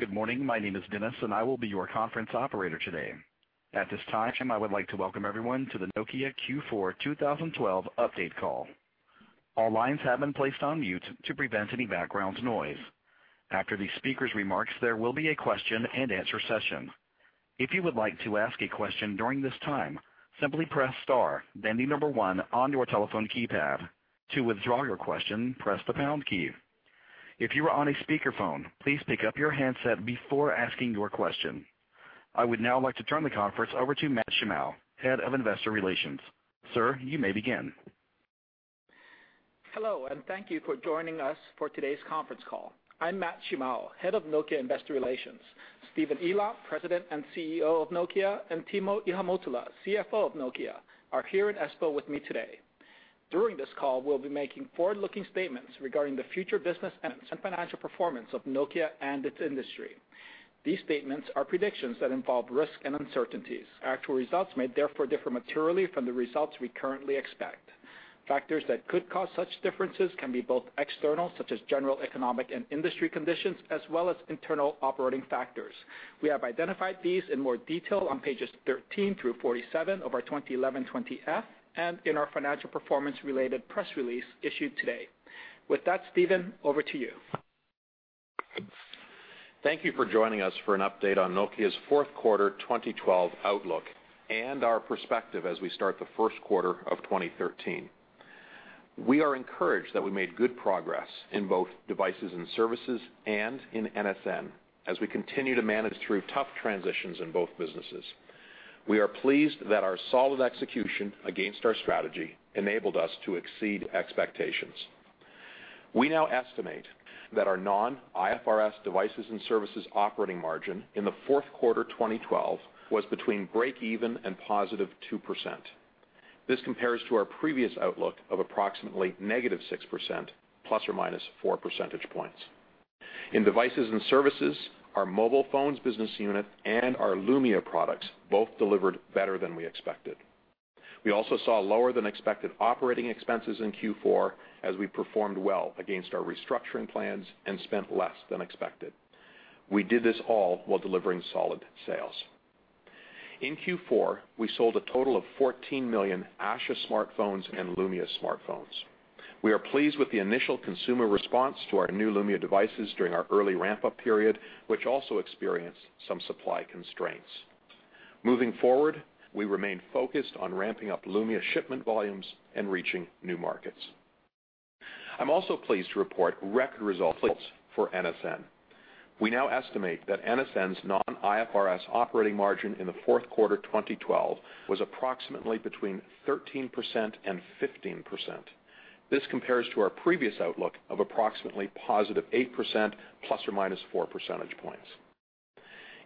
Good morning, my name is Dennis, and I will be your conference operator today. At this time, I would like to welcome everyone to the Nokia Q4 2012 update call. All lines have been placed on mute to prevent any background noise. After the speaker's remarks, there will be a question and answer session. If you would like to ask a question during this time, simply press star, then number one on your telephone keypad. To withdraw your question, press the pound key. If you are on a speakerphone, please pick up your handset before asking your question. I would now like to turn the conference over to Matt Shimao, Head of Investor Relations. Sir, you may begin. Hello and thank you for joining us for today's conference call. I'm Matt Shimao, head of Nokia Investor Relations. Stephen Elop, President and CEO of Nokia, and Timo Ihamuotila, CFO of Nokia, are here in Espoo with me today. During this call we'll be making forward-looking statements regarding the future business and financial performance of Nokia and its industry. These statements are predictions that involve risk and uncertainties. Actual results may therefore differ materially from the results we currently expect. Factors that could cause such differences can be both external such as general economic and industry conditions as well as internal operating factors. We have identified these in more detail on pages 13 through 47 of our 2011 Form 20-F and in our financial performance related press release issued today. With that, Stephen, over to you. Thank you for joining us for an update on Nokia's fourth quarter 2012 outlook and our perspective as we start the first quarter of 2013. We are encouraged that we made good progress in both devices and services and in NSN as we continue to manage through tough transitions in both businesses. We are pleased that our solid execution against our strategy enabled us to exceed expectations. We now estimate that our Non-IFRS devices and services operating margin in the fourth quarter 2012 was between break-even and +2%. This compares to our previous outlook of approximately -6% ±4 percentage points. In devices and services, our mobile phones business unit and our Lumia products both delivered better than we expected. We also saw lower than expected operating expenses in Q4 as we performed well against our restructuring plans and spent less than expected. We did this all while delivering solid sales. In Q4 we sold a total of 14 million Asha smartphones and Lumia smartphones. We are pleased with the initial consumer response to our new Lumia devices during our early ramp-up period which also experienced some supply constraints. Moving forward we remain focused on ramping up Lumia shipment volumes and reaching new markets. I'm also pleased to report record results for NSN. We now estimate that NSN's non-IFRS operating margin in the fourth quarter 2012 was approximately between 13% and 15%. This compares to our previous outlook of approximately +8% ±4 percentage points.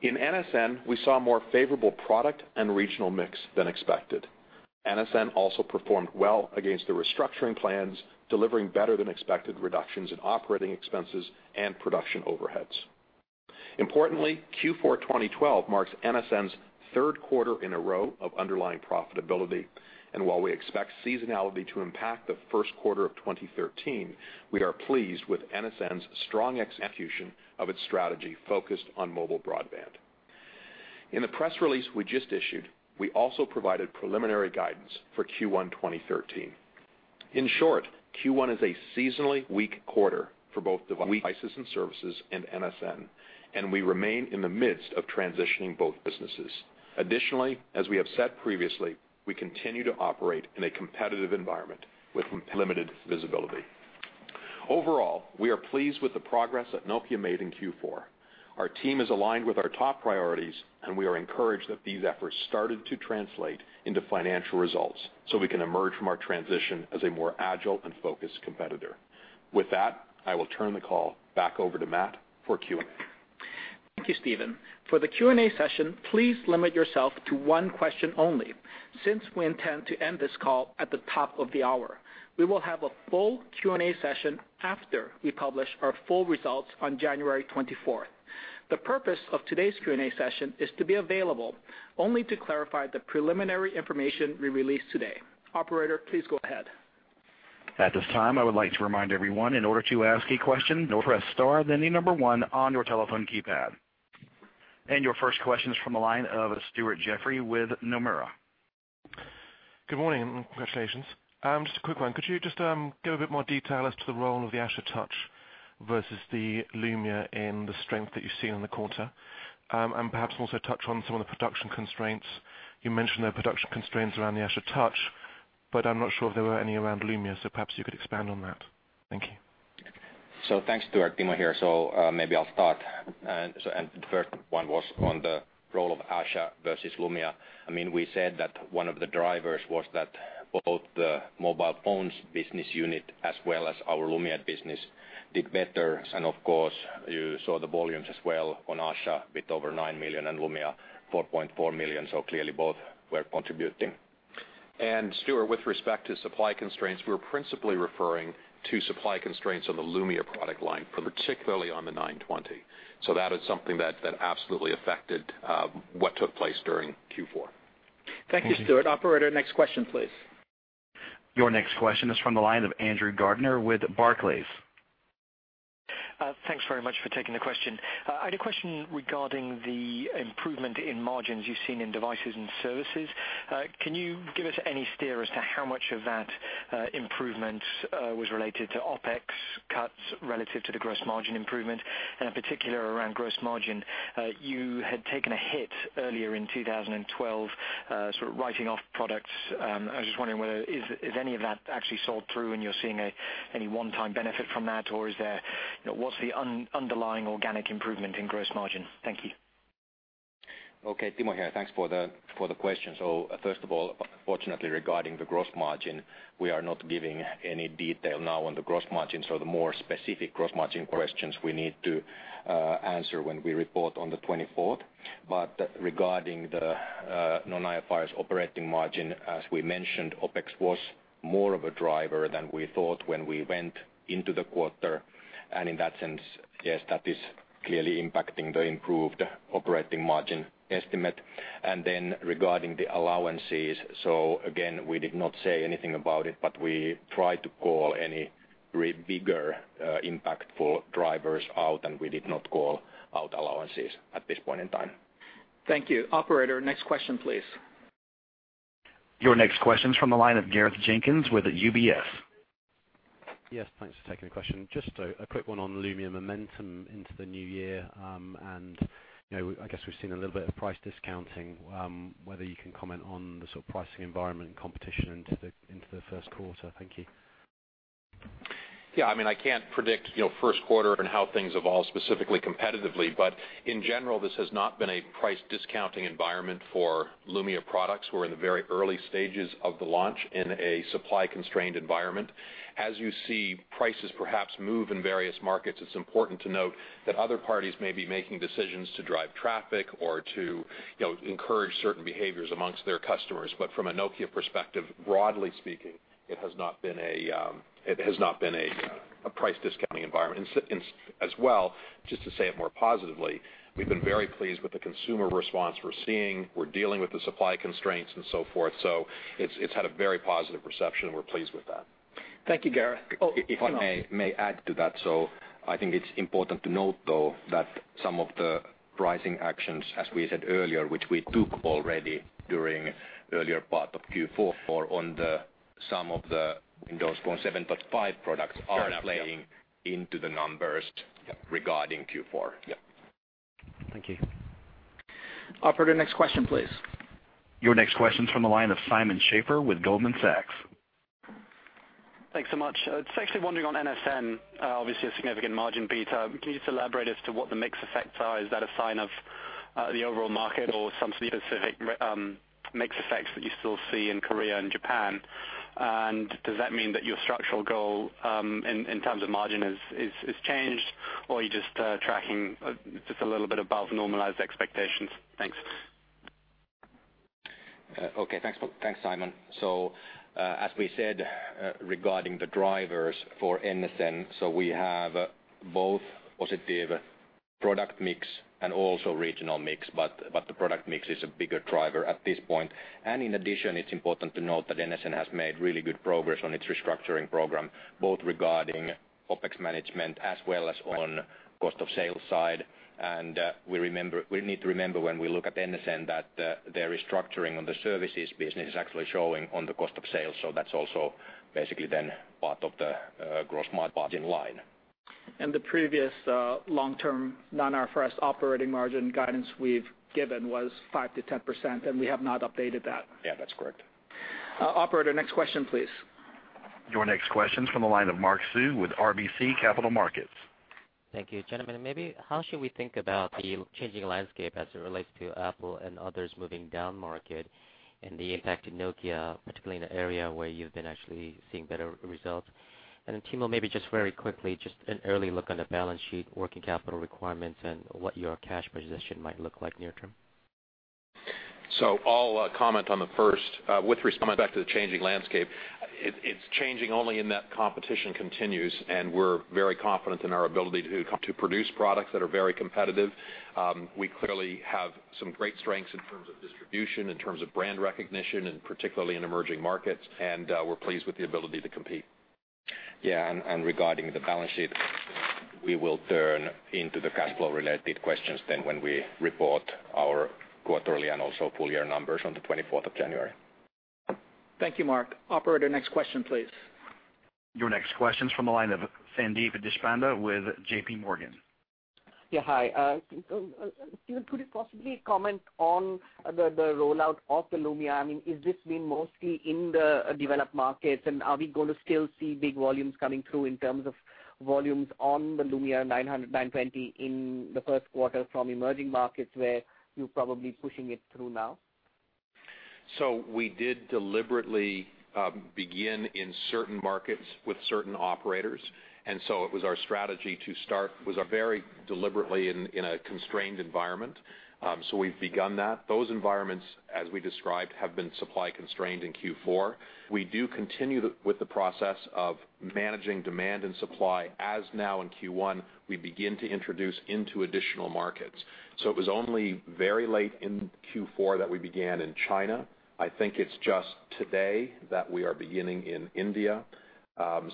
In NSN we saw more favorable product and regional mix than expected. NSN also performed well against the restructuring plans delivering better than expected reductions in operating expenses and production overheads. Importantly, Q4 2012 marks NSN's third quarter in a row of underlying profitability, and while we expect seasonality to impact the first quarter of 2013, we are pleased with NSN's strong execution of its strategy focused on mobile broadband. In the press release we just issued, we also provided preliminary guidance for Q1 2013. In short, Q1 is a seasonally weak quarter for both devices and services and NSN, and we remain in the midst of transitioning both businesses. Additionally, as we have said previously, we continue to operate in a competitive environment with limited visibility. Overall, we are pleased with the progress that Nokia made in Q4. Our team is aligned with our top priorities, and we are encouraged that these efforts started to translate into financial results so we can emerge from our transition as a more agile and focused competitor. With that, I will turn the call back over to Matt for Q&A. Thank you, Stephen. For the Q&A session please limit yourself to one question only since we intend to end this call at the top of the hour. We will have a full Q&A session after we publish our full results on January 24th. The purpose of today's Q&A session is to be available only to clarify the preliminary information we released today. Operator, please go ahead. At this time, I would like to remind everyone, in order to ask a question, press star then number one on your telephone keypad. Your first question is from the line of Stuart Jeffrey with Nomura. Good morning and congratulations. Just a quick one. Could you just give a bit more detail as to the role of the Asha Touch versus the Lumia in the strength that you've seen in the quarter? And perhaps also touch on some of the production constraints. You mentioned there are production constraints around the Asha Touch but I'm not sure if there were any around Lumia so perhaps you could expand on that. Thank you. So thanks Stuart, Timo here. So, maybe I'll start, so and the first one was on the role of Asha versus Lumia. I mean we said that one of the drivers was that both the mobile phones business unit as well as our Lumia business did better and of course you saw the volumes as well on Asha with over 9 million and Lumia 4.4 million so clearly both were contributing. Stuart, with respect to supply constraints we were principally referring to supply constraints on the Lumia product line particularly on the 920. So that is something that absolutely affected what took place during Q4. Thank you Stuart. Operator, next question please. Your next question is from the line of Andrew Gardiner with Barclays. Thanks very much for taking the question. I had a question regarding the improvement in margins you've seen in devices and services. Can you give us any steer as to how much of that improvement was related to OPEX cuts relative to the gross margin improvement? In particular around gross margin, you had taken a hit earlier in 2012, sort of writing off products. I was just wondering whether is any of that actually sold through and you're seeing a any one-time benefit from that or is there you know, what's the underlying organic improvement in gross margin? Thank you. Okay, Timo here. Thanks for the, for the question. So, first of all, fortunately regarding the gross margin we are not giving any detail now on the gross margin so the more specific gross margin questions we need to answer when we report on the 24th. But regarding the Non-IFRS operating margin as we mentioned OPEX was more of a driver than we thought when we went into the quarter and in that sense yes, that is clearly impacting the improved operating margin estimate. And then regarding the allowances so again we did not say anything about it but we tried to call any really bigger impactful drivers out and we did not call out allowances at this point in time. Thank you. Operator, next question please. Your next question is from the line of Gareth Jenkins with UBS. Yes, thanks for taking the question. Just a quick one on Lumia momentum into the new year, and you know, I guess we've seen a little bit of price discounting. Whether you can comment on the sort of pricing environment and competition into the, into the first quarter. Thank you. Yeah, I mean I can't predict, you know, first quarter and how things evolve specifically competitively but in general this has not been a price discounting environment for Lumia products. We're in the very early stages of the launch in a supply-constrained environment. As you see prices perhaps move in various markets, it's important to note that other parties may be making decisions to drive traffic or to, you know, encourage certain behaviors amongst their customers. But from a Nokia perspective broadly speaking it has not been a price discounting environment. And as well, just to say it more positively, we've been very pleased with the consumer response we're seeing. We're dealing with the supply constraints and so forth so it's had a very positive reception and we're pleased with that. Thank you Gareth. Oh, if I may add to that. So I think it's important to note though that some of the pricing actions as we said earlier which we took already during earlier part of Q4 on some of the Windows Phone 7.5 products are playing into the numbers regarding Q4. Yep. Thank you. Operator, next question please. Your next question is from the line of Simon Schaefer with Goldman Sachs. Thanks so much. I'm actually wondering on NSN, obviously a significant margin beater. Can you just elaborate as to what the mix effects are? Is that a sign of the overall market or some specific remix effects that you still see in Korea and Japan? And does that mean that your structural goal in terms of margin is changed or are you just tracking just a little bit above normalized expectations? Thanks. Okay, thanks for thanks Simon. So, as we said, regarding the drivers for NSN so we have both positive product mix and also regional mix but, but the product mix is a bigger driver at this point. And in addition it's important to note that NSN has made really good progress on its restructuring program both regarding OPEX management as well as on cost of sale side. And, we need to remember when we look at NSN that, their restructuring on the services business is actually showing on the cost of sale so that's also basically then part of the, gross margin line. The previous, long-term non-IFRS operating margin guidance we've given was 5%-10% and we have not updated that. Yeah, that's correct. Operator, next question please. Your next question is from the line of Mark Su with RBC Capital Markets. Thank you. Gentlemen, maybe how should we think about the changing landscape as it relates to Apple and others moving down market and the impact to Nokia particularly in the area where you've been actually seeing better results? And then Timo maybe just very quickly just an early look on the balance sheet, working capital requirements, and what your cash position might look like near term. So I'll comment on the first. With respect to the changing landscape, it's changing only in that competition continues and we're very confident in our ability to produce products that are very competitive. We clearly have some great strengths in terms of distribution, in terms of brand recognition, and particularly in emerging markets, and we're pleased with the ability to compete. Yeah, and regarding the balance sheet, we will turn into the cash flow related questions then when we report our quarterly and also full year numbers on the 24th of January. Thank you Mark. Operator, next question please. Your next question is from the line of Sandeep Deshpande with J.P. Morgan. Yeah, hi. Can you possibly comment on the rollout of the Lumia? I mean, is this been mostly in the developed markets and are we going to still see big volumes coming through in terms of volumes on the Lumia 900, 920 in the first quarter from emerging markets where you're probably pushing it through now? So we did deliberately begin in certain markets with certain operators, and so it was our strategy to start very deliberately in a constrained environment. So we've begun that. Those environments, as we described, have been supply-constrained in Q4. We do continue with the process of managing demand and supply as now in Q1 we begin to introduce into additional markets. So it was only very late in Q4 that we began in China. I think it's just today that we are beginning in India.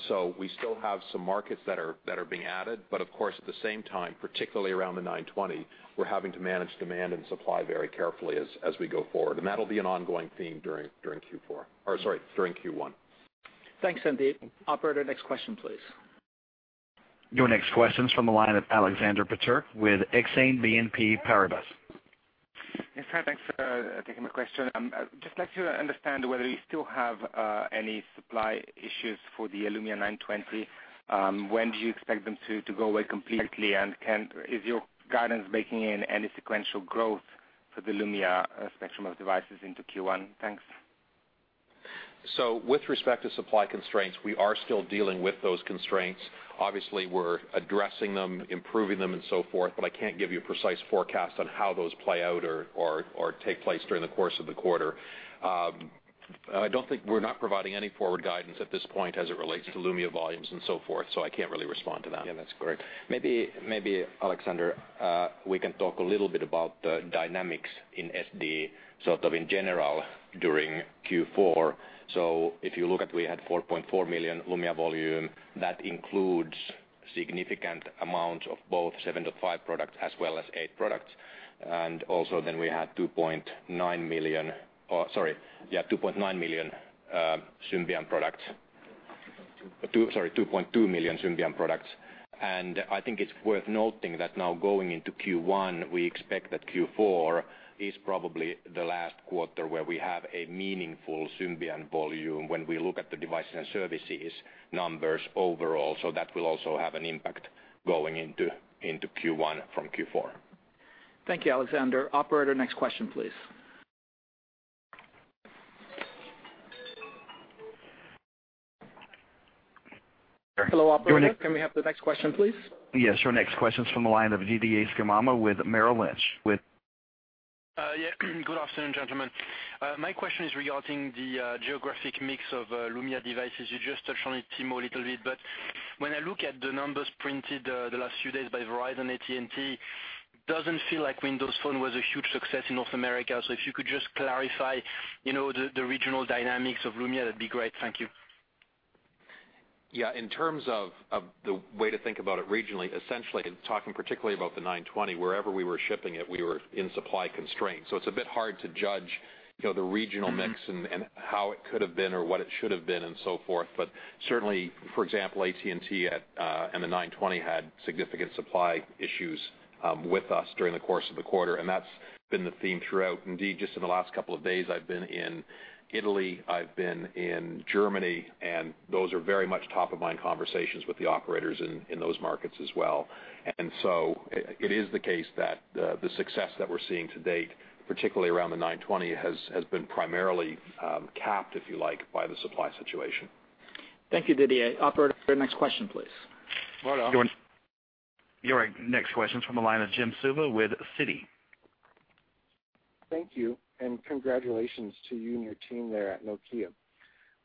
So we still have some markets that are being added, but of course at the same time, particularly around the 920, we're having to manage demand and supply very carefully as we go forward. And that'll be an ongoing theme during Q4, or sorry, during Q1. Thanks Sandeep. Operator, next question please. Your next question is from the line of Alexander Peterc with Exane BNP Paribas. Yes, hi. Thanks for taking my question. Just like to understand whether you still have any supply issues for the Lumia 920. When do you expect them to go away completely and can is your guidance making in any sequential growth for the Lumia spectrum of devices into Q1? Thanks. With respect to supply constraints we are still dealing with those constraints. Obviously we're addressing them, improving them, and so forth but I can't give you a precise forecast on how those play out or take place during the course of the quarter. I don't think we're not providing any forward guidance at this point as it relates to Lumia volumes and so forth so I can't really respond to that. Yeah, that's correct. Maybe, maybe Alexander, we can talk a little bit about the dynamics in SD sort of in general during Q4. So if you look at, we had 4.4 million Lumia volume that includes significant amounts of both 7.5 products as well as 8 products. And also then we had 2.9 million or sorry, yeah, 2.9 million, Symbian products. Two, sorry, 2.2 million Symbian products. And I think it's worth noting that now going into Q1 we expect that Q4 is probably the last quarter where we have a meaningful Symbian volume when we look at the devices and services numbers overall so that will also have an impact going into, into Q1 from Q4. Thank you Alexander. Operator, next question please. Hello Operator, can we have the next question please? Yes, your next question is from the line of Didier Scemama with Merrill Lynch. Yeah. Good afternoon, gentlemen. My question is regarding the geographic mix of Lumia devices. You just touched on it, Timo, a little bit, but when I look at the numbers printed the last few days by Verizon, AT&T, it doesn't feel like Windows Phone was a huge success in North America. So if you could just clarify, you know, the regional dynamics of Lumia, that'd be great. Thank you. Yeah, in terms of the way to think about it regionally, essentially talking particularly about the 920 wherever we were shipping it, we were in supply constraints. So it's a bit hard to judge, you know, the regional mix and how it could have been or what it should have been and so forth. But certainly, for example, AT&T and the 920 had significant supply issues with us during the course of the quarter, and that's been the theme throughout. Indeed, just in the last couple of days, I've been in Italy, I've been in Germany, and those are very much top of mind conversations with the operators in those markets as well. And so it is the case that the success that we're seeing to date, particularly around the 920, has been primarily capped, if you like, by the supply situation. Thank you Didier. Operator, next question please. Hold on. Your next question is from the line of Jim Suva with Citi. Thank you and congratulations to you and your team there at Nokia.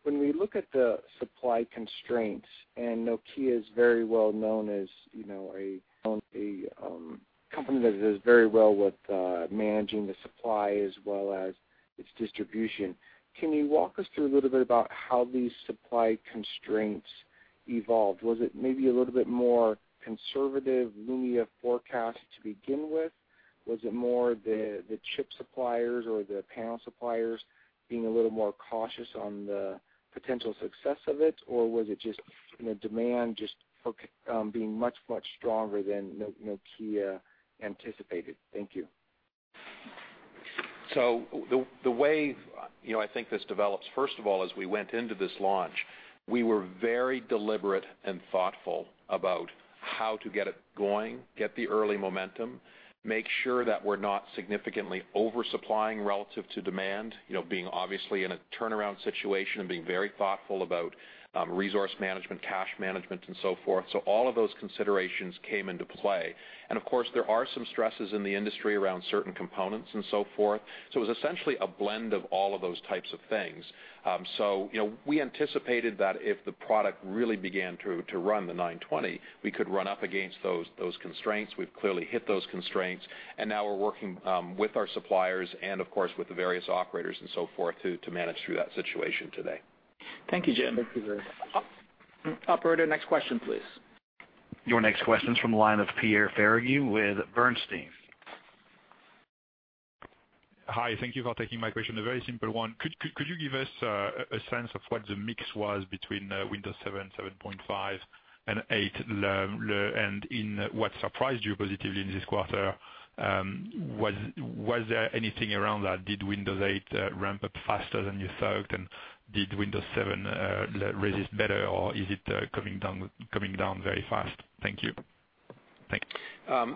When we look at the supply constraints and Nokia is very well known as, you know, a known company that does very well with managing the supply as well as its distribution. Can you walk us through a little bit about how these supply constraints evolved? Was it maybe a little bit more conservative Lumia forecast to begin with? Was it more the chip suppliers or the panel suppliers being a little more cautious on the potential success of it or was it just, you know, demand just being much, much stronger than Nokia anticipated? Thank you. So the way, you know, I think this develops first of all. As we went into this launch, we were very deliberate and thoughtful about how to get it going, get the early momentum, make sure that we're not significantly oversupplying relative to demand, you know, being obviously in a turnaround situation and being very thoughtful about resource management, cash management, and so forth. So all of those considerations came into play. And of course there are some stresses in the industry around certain components and so forth. So it was essentially a blend of all of those types of things. So, you know, we anticipated that if the product really began to run the 920 we could run up against those constraints. We've clearly hit those constraints and now we're working with our suppliers and of course with the various operators and so forth to manage through that situation today. Thank you Jim. Thank you very much. Operator, next question please. Your next question is from the line of Pierre Ferragu with Bernstein. Hi, thank you for taking my question. A very simple one. Could you give us a sense of what the mix was between Windows 7, 7.5, and 8, Lumia, and in what surprised you positively in this quarter? Was there anything around that? Did Windows 8 ramp up faster than you thought and did Windows 7 Lumia resist better or is it coming down very fast? Thank you.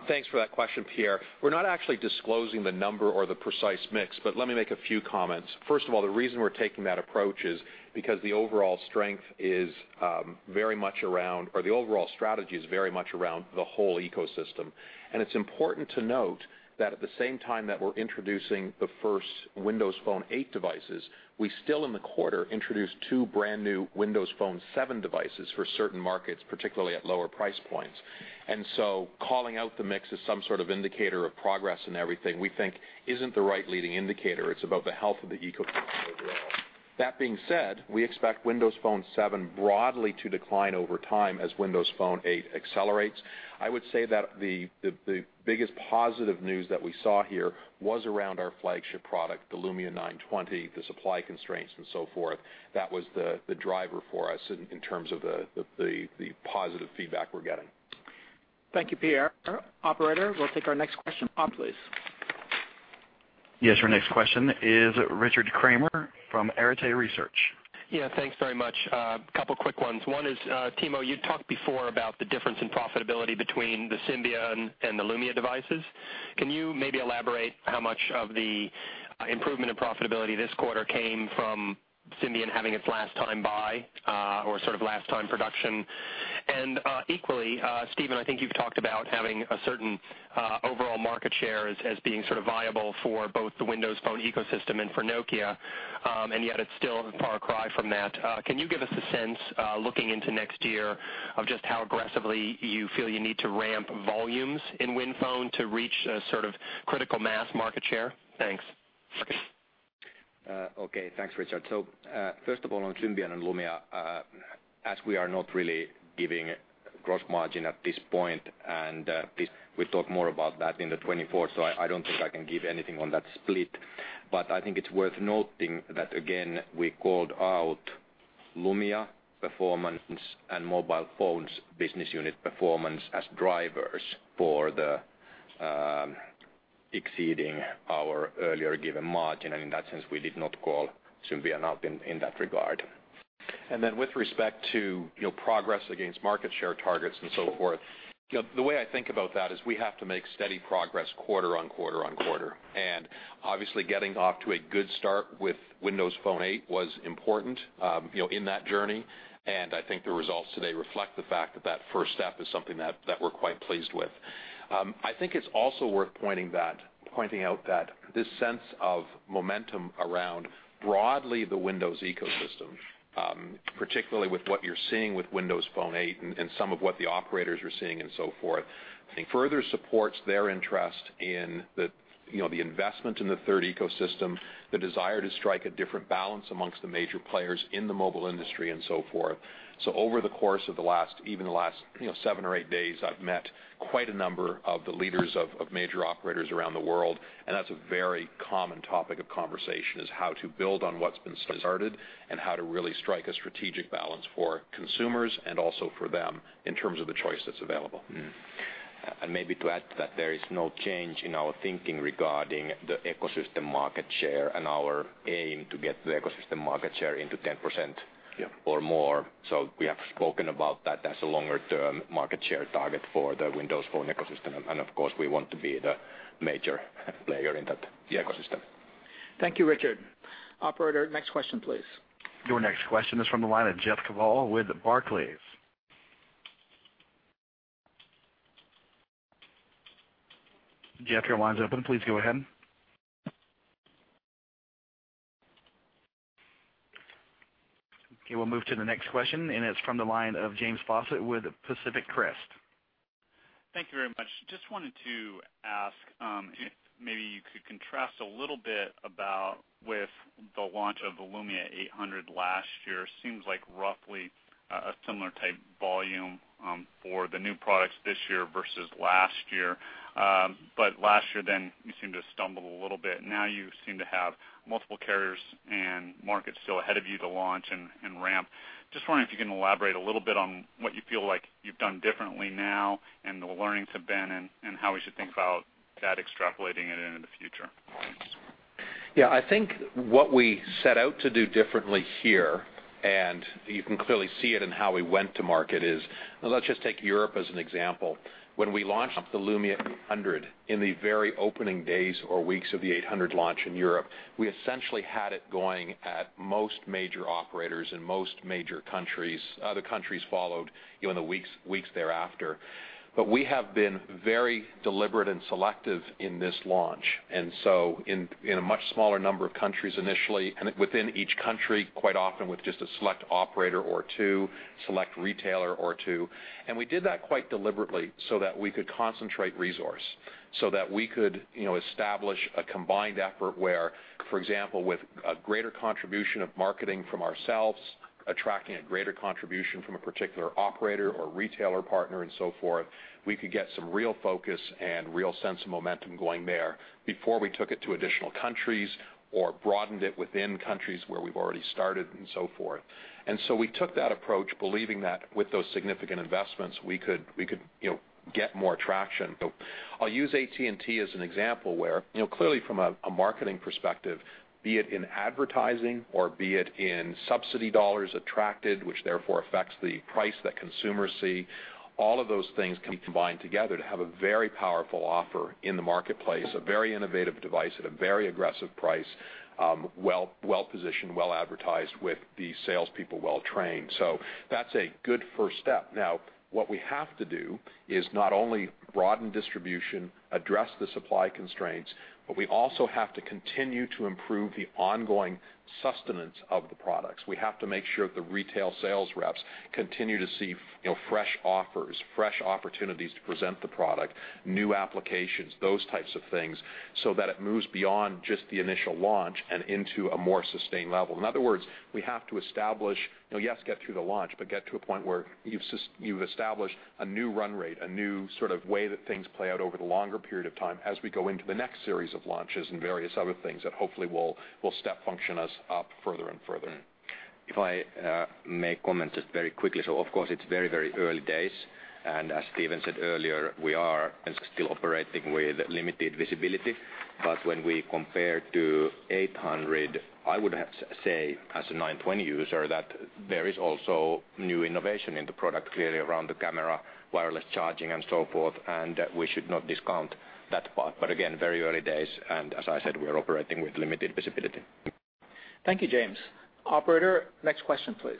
Thanks for that question, Pierre. We're not actually disclosing the number or the precise mix, but let me make a few comments. First of all, the reason we're taking that approach is because the overall strength is very much around, or the overall strategy is very much around the whole ecosystem. It's important to note that at the same time that we're introducing the first Windows Phone 8 devices, we still in the quarter introduce two brand new Windows Phone 7 devices for certain markets, particularly at lower price points. So calling out the mix as some sort of indicator of progress and everything, we think, isn't the right leading indicator. It's about the health of the ecosystem overall. That being said, we expect Windows Phone 7 broadly to decline over time as Windows Phone 8 accelerates. I would say that the biggest positive news that we saw here was around our flagship product the Lumia 920, the supply constraints, and so forth. That was the driver for us in terms of the positive feedback we're getting. Thank you, Pierre. Operator, we'll take our next question. Mark, please. Yes, your next question is Richard Kramer from Arete Research. Yeah, thanks very much. A couple quick ones. One is, Timo, you talked before about the difference in profitability between the Symbian and the Lumia devices. Can you maybe elaborate how much of the improvement in profitability this quarter came from Symbian having its last time buy, or sort of last time production? And, equally, Stephen, I think you've talked about having a certain overall market share as being sort of viable for both the Windows Phone ecosystem and for Nokia. And yet it's still a far cry from that. Can you give us a sense, looking into next year, of just how aggressively you feel you need to ramp volumes in WinPhone to reach a sort of critical mass market share? Thanks. Okay. Thanks, Richard. So, first of all on Symbian and Lumia, as we are not really giving gross margin at this point and, this we talk more about that in the 24th so I, I don't think I can give anything on that split. But I think it's worth noting that again we called out Lumia performance and mobile phones business unit performance as drivers for the exceeding our earlier given margin and in that sense we did not call Symbian out in, in that regard. And then with respect to, you know, progress against market share targets and so forth, you know, the way I think about that is we have to make steady progress quarter on quarter on quarter. And obviously getting off to a good start with Windows Phone 8 was important, you know, in that journey and I think the results today reflect the fact that that first step is something that we're quite pleased with. I think it's also worth pointing out that this sense of momentum around broadly the Windows ecosystem, particularly with what you're seeing with Windows Phone 8 and some of what the operators are seeing and so forth, I think further supports their interest in the, you know, the investment in the third ecosystem, the desire to strike a different balance amongst the major players in the mobile industry and so forth. Over the course of the last, you know, seven or eight days I've met quite a number of the leaders of major operators around the world, and that's a very common topic of conversation: how to build on what's been started and how to really strike a strategic balance for consumers and also for them in terms of the choice that's available. And maybe to add to that there is no change in our thinking regarding the ecosystem market share and our aim to get the ecosystem market share into 10%. Yeah. Or more. So we have spoken about that as a longer term market share target for the Windows Phone ecosystem and, of course we want to be the major player in that ecosystem. Thank you Richard. Operator, next question please. Your next question is from the line of Jeff Kvaal with Barclays. Jeff, your line's open. Please go ahead. Okay, we'll move to the next question and it's from the line of James Fawcett with Pacific Crest. Thank you very much. Just wanted to ask if maybe you could contrast a little bit about with the launch of the Lumia 800 last year. Seems like roughly a similar type volume for the new products this year versus last year. But last year then you seemed to stumble a little bit. Now you seem to have multiple carriers and market still ahead of you to launch and ramp. Just wondering if you can elaborate a little bit on what you feel like you've done differently now and the learnings have been and how we should think about that extrapolating it into the future. Yeah, I think what we set out to do differently here and you can clearly see it in how we went to market is, well, let's just take Europe as an example. When we launched the Lumia 800 in the very opening days or weeks of the 800 launch in Europe, we essentially had it going at most major operators in most major countries. Other countries followed, you know, in the weeks thereafter. But we have been very deliberate and selective in this launch. And so in a much smaller number of countries initially and within each country quite often with just a select operator or two, select retailer or two. And we did that quite deliberately so that we could concentrate resource. So that we could, you know, establish a combined effort where for example with a greater contribution of marketing from ourselves, attracting a greater contribution from a particular operator or retailer partner and so forth, we could get some real focus and real sense of momentum going there before we took it to additional countries or broadened it within countries where we've already started and so forth. And so we took that approach believing that with those significant investments we could, we could, you know, get more traction. So I'll use AT&T as an example where, you know, clearly from a marketing perspective be it in advertising or be it in subsidy dollars attracted which therefore affects the price that consumers see, all of those things can be combined together to have a very powerful offer in the marketplace, a very innovative device at a very aggressive price, well, well positioned, well advertised with the salespeople well trained. So that's a good first step. Now what we have to do is not only broaden distribution, address the supply constraints but we also have to continue to improve the ongoing sustenance of the products. We have to make sure that the retail sales reps continue to see, you know, fresh offers, fresh opportunities to present the product, new applications, those types of things so that it moves beyond just the initial launch and into a more sustained level. In other words, we have to establish, you know, yes, get through the launch but get to a point where you've established a new run rate, a new sort of way that things play out over the longer period of time as we go into the next series of launches and various other things that hopefully will step function us up further and further. If I may comment just very quickly. So of course it's very, very early days and as Stephen said earlier we are still operating with limited visibility. But when we compare to 800 I would have say as a 920 user that there is also new innovation in the product clearly around the camera, wireless charging, and so forth and we should not discount that part. But again, very early days and as I said we are operating with limited visibility. Thank you James. Operator, next question please.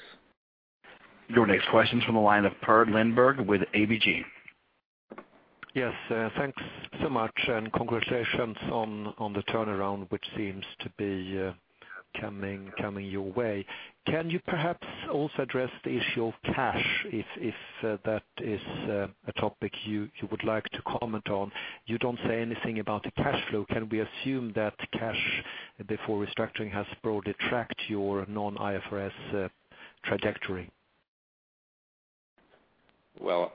Your next question is from the line of Per Lindberg with ABG. Yes, thanks so much and congratulations on the turnaround which seems to be coming your way. Can you perhaps also address the issue of cash if that is a topic you would like to comment on? You don't say anything about the cash flow. Can we assume that cash before restructuring has broadly tracked your non-IFRS trajectory? Well,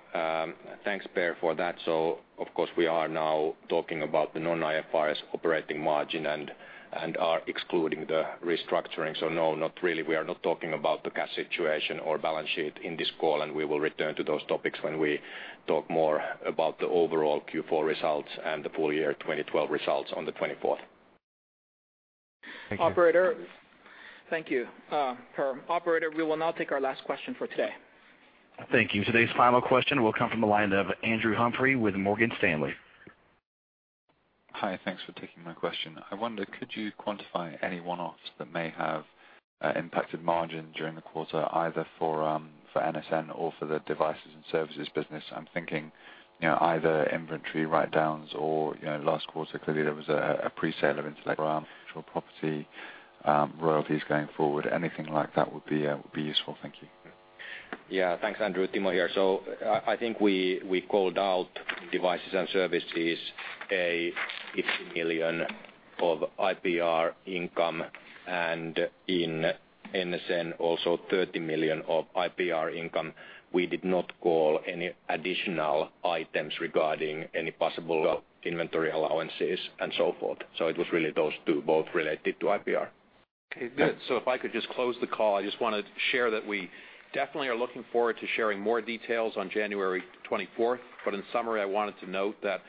thanks Per for that. So of course we are now talking about the non-IFRS operating margin and are excluding the restructuring. So no, not really. We are not talking about the cash situation or balance sheet in this call and we will return to those topics when we talk more about the overall Q4 results and the full year 2012 results on the 24th. Thank you. Operator. Thank you, Per. Operator, we will now take our last question for today. Thank you. Today's final question will come from the line of Andrew Humphrey with Morgan Stanley. Hi, thanks for taking my question. I wonder, could you quantify any one-offs that may have impacted margin during the quarter either for NSN or for the devices and services business? I'm thinking, you know, either inventory write-downs or, you know, last quarter clearly there was a presale of intellectual property, royalties going forward. Anything like that would be useful. Thank you. Yeah, thanks Andrew. Timo here. So I think we called out devices and services 18 million of IPR income and in NSN also 30 million of IPR income. We did not call any additional items regarding any possible inventory allowances and so forth. So it was really those two both related to IPR. Okay, good. So if I could just close the call, I just want to share that we definitely are looking forward to sharing more details on January 24th, but in summary, I wanted to note that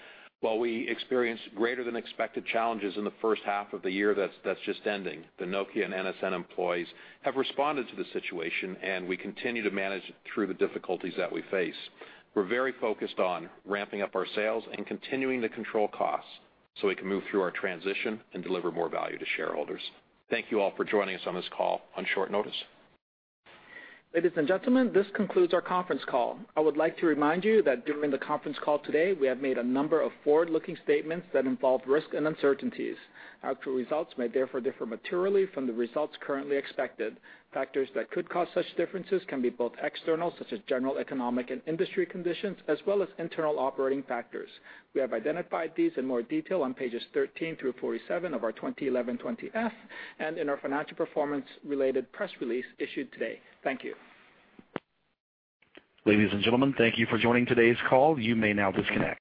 while we experienced greater than expected challenges in the first half of the year that's, that's just ending, the Nokia and NSN employees have responded to the situation and we continue to manage it through the difficulties that we face. We're very focused on ramping up our sales and continuing to control costs so we can move through our transition and deliver more value to shareholders. Thank you all for joining us on this call on short notice. Ladies and gentlemen, this concludes our conference call. I would like to remind you that during the conference call today we have made a number of forward-looking statements that involve risk and uncertainties. Actual results may therefore differ materially from the results currently expected. Factors that could cause such differences can be both external such as general economic and industry conditions as well as internal operating factors. We have identified these in more detail on pages 13 through 47 of our 2011 Form 20-F and in our financial performance related press release issued today. Thank you. Ladies and gentlemen, thank you for joining today's call. You may now disconnect.